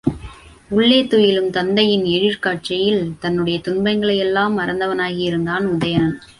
உள்ளே துயிலும் தத்தையின் எழிற் காட்சியில் தன்னுடைய துன்பங்களை யெல்லாம் மறந்தவனாகி இருந்தான் உதயணன்.